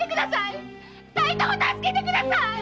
二人とも助けてください！